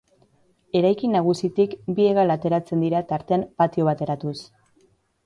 Eraikin nagusitik bi hegal ateratzen dira tartean patio bat eratuz.